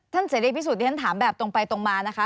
ท่านเสด็จพิสูจน์ท่านถามแบบตรงไปตรงมานะคะ